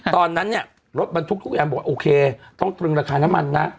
ตอนนั้นเนี่ยรถบรรทุกทุกแอมบอกว่าโอเคต้องตรึงราคาน้ำมันนะ